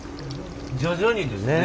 徐々にですね。